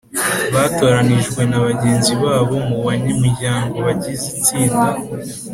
batoranijwe na bagenzi babo mu banyamuryango bagize itsinda